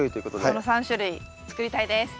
その３種類作りたいです。